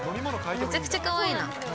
めちゃくちゃかわいいな。